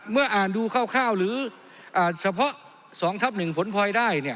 เมื่ออ่านดูคร่าวคร่าวหรืออ่าเฉพาะสองทับหนึ่งผลพลอยได้เนี่ย